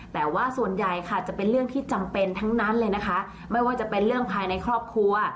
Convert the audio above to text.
แต่ว่าส่วนใหญ่ค่ะจะเป็นเรื่องที่จำเป็นทั้งนั้นเลยนะคะไม่ว่าจะเป็นเรื่องภายในครอบครัว